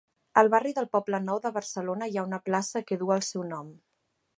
Al barri del Poblenou de Barcelona hi ha una plaça que du el seu nom.